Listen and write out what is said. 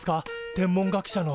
天文学者の。